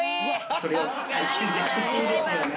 それを体験できないんですよね。